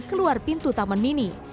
keluar pintu taman mini